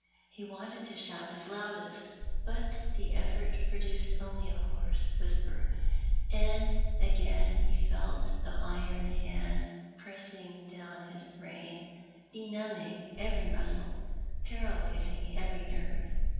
He wanted to shout his loudest, but the effort produced only a hoarse whisper— and again he felt the iron hand pressing down his brain, benumbing every muscle, jDaralysing every nerve.